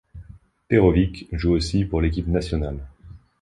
Perović joue aussi pour l'équipe nationale.